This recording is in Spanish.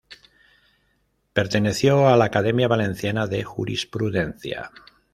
Perteneció a la Academia Valenciana de Jurisprudencia.